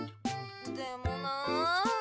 でもなあ。